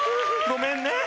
ごめんね。